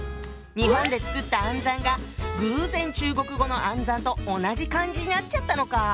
日本でつくった「暗算」が偶然中国語の「暗算」と同じ漢字になっちゃったのか。